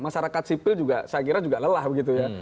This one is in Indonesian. masyarakat sipil juga saya kira juga lelah begitu ya